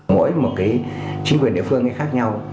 mỗi một chính quyền địa phương khác nhau